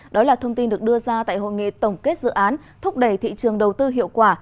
đó là thông tin được đưa ra tại hội nghị tổng kết dự án thúc đẩy thị trường đầu tư hiệu quả